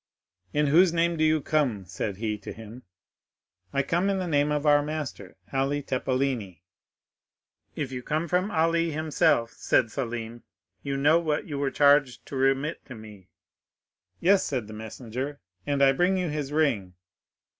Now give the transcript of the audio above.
'In whose name do you come?' said he to him. 'I come in the name of our master, Ali Tepelini.'—'If you come from Ali himself,' said Selim, 'you know what you were charged to remit to me?'—'Yes,' said the messenger, 'and I bring you his ring.